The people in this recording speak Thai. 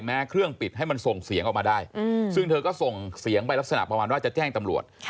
เครื่องปิดให้มันส่งเสียงออกมาได้ซึ่งเธอก็ส่งเสียงไปลักษณะประมาณว่าจะแจ้งตำรวจ